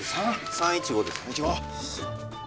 ３１５です